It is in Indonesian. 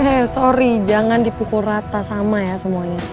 eh sorry jangan dipukul rata sama ya semuanya